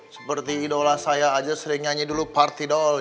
seperti idola saya aja sering nyanyi dulu party doll